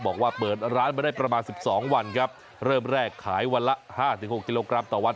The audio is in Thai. บอกว่าเปิดร้านมาได้ประมาณ๑๒วันครับเริ่มแรกขายวันละ๕๖กิโลกรัมต่อวัน